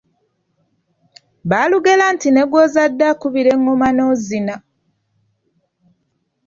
Baalugera nti; ne gw'ozadde akubira eŋŋoma n’ozina.